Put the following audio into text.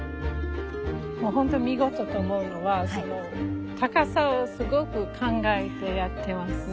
もう本当見事と思うのは高さをすごく考えてやってますね。